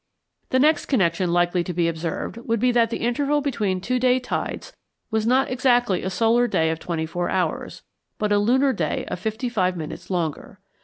The next connection likely to be observed would be that the interval between two day tides was not exactly a solar day of twenty four hours, but a lunar day of fifty minutes longer.